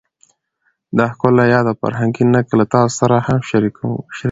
دا ښکلی یاد او فرهنګي نکل له تاسو سره هم شریک کړم